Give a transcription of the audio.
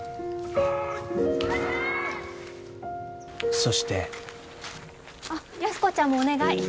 そしてあっ安子ちゃんもお願い。